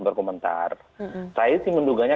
berkomentar saya sih menduganya